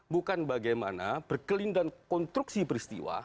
bukan bagaimana berkelin dan konstruksi peristiwa